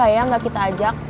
gak ya gak kita ajak